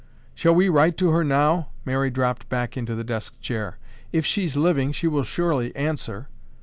"Shall we write to her now?" Mary dropped back into the desk chair. "If she's living, she will surely answer."